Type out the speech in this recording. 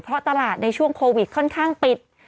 เพราะตลาดในช่วงโควิดค่อนข้างปิด